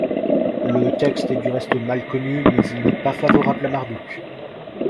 Le texte est du reste mal connu, mais il n'est pas favorable à Marduk.